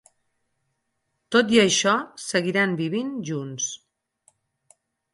Tot i això, seguiran vivint junts.